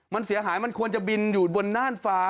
มันเสียหายมันควรจะบินอยู่บนน่านฟ้า